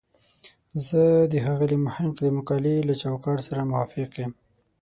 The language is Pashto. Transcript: زه د ښاغلي محق د مقالې له چوکاټ سره موافق یم.